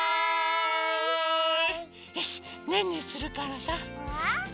よしねんねするからさ。